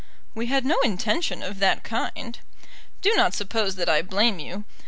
"We had no intention of that kind." "Do not suppose that I blame you.